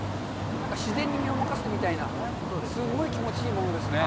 自然に身を任せてみたいな、すごい気持ちいいものですね。